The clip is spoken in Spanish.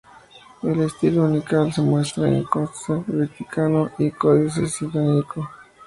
El estilo uncial se muestra en el Códice Vaticano y el Códice Sinaítico.